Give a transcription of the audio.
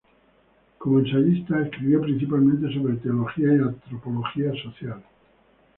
Como ensayista, escribió principalmente sobre teología y antropología social.